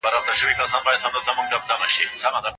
لوستې میندې د ماشومانو لپاره خوندي چاپېریال جوړوي.